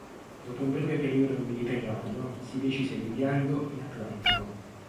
Dopo un breve periodo in Mediterraneo si decise di inviarlo in Atlantico.